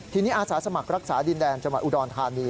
ทีนี้อาสาสมัครรักษาดินแดนจังหวัดอุดรธานี